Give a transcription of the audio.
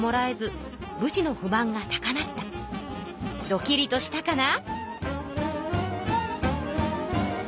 ドキリとしたかな？